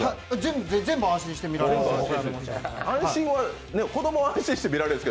全部、安心してみられます！